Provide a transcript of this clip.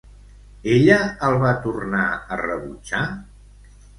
Ella el va tornar a rebutjar?